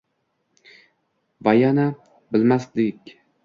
Vayana bilmasdiki